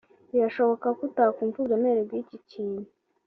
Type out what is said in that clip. Birashoboka ko utakumva uburemere bw'iki kintu